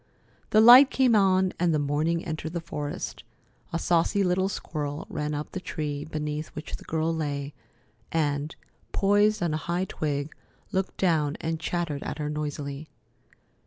The light came on, and the morning entered the forest. A saucy little squirrel ran up the tree beneath which the girl lay, and, poised on a high twig, looked down and chattered at her noisily.